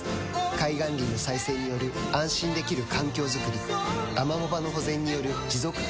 海岸林の再生による安心できる環境づくりアマモ場の保全による持続可能な海づくり